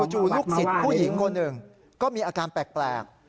จู่ลูกศิษย์ผู้หญิงคนหนึ่งก็มีอาการแปลก